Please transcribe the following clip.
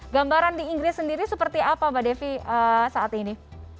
gambaran di inggris sendiri seperti apa mbak devi saat ini